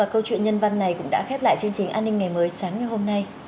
câu chuyện nhân văn này cũng đã khép lại chương trình an ninh ngày mới sáng ngày hôm nay